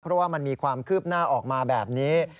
เพราะว่ามันมีความคืบหน้าออกมาแบบนี้